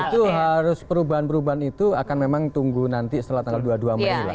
itu harus perubahan perubahan itu akan memang tunggu nanti setelah tanggal dua puluh dua mei lah